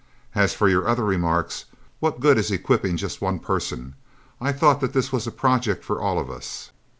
As for your other remarks, what good is equipping just one person? I thought that this was a project for all of us."